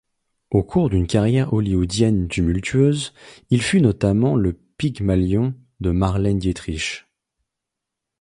Au cours d'une carrière hollywoodienne tumultueuse, il fut notamment le pygmalion de Marlène Dietrich.